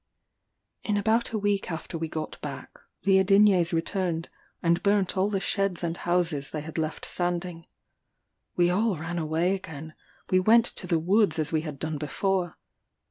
In about a week after we got back, the Adinyés returned, and burnt all the sheds and houses they had left standing. We all ran away again; we went to the woods as we had done before.